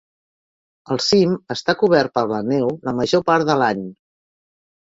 El cim està cobert per la neu la major part de l'any.